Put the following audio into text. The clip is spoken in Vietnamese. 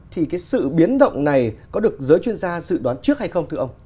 thì cái sự biến động này có được giới chuyên gia dự đoán trước hay không thưa ông